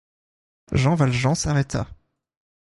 Jean Valjean s'arrêta.